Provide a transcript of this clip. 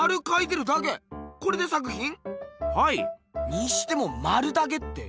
にしてもまるだけって。